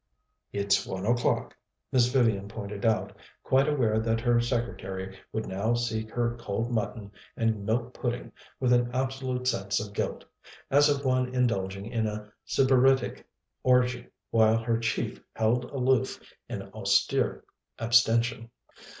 "It's one o'clock," Miss Vivian pointed out, quite aware that her secretary would now seek her cold mutton and milk pudding with an absolute sense of guilt, as of one indulging in a Sybaritic orgy while her chief held aloof in austere abstention.